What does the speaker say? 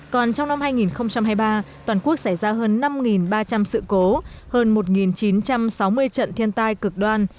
còn trong năm hai nghìn hai mươi ba toàn quốc xảy ra hơn năm ba trăm linh sự cố hơn một chín trăm sáu mươi trận thiên tai cực đoan